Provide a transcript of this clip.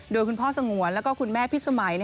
โดยคุณพ่อสงวนแล้วก็คุณแม่พิษสมัย